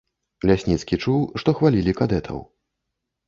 Лясніцкі чуў, што хвалілі кадэтаў.